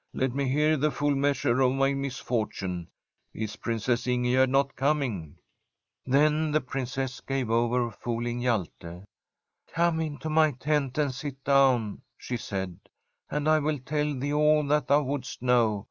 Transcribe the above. Let me hear the full measure of my misfortune. Is Princess In gegerd not coming? ' Then the Princess gave over fooling Hjalte. ' Come into my tent and sit down,' she said, ' and I will tell thee all that thou wouldest know.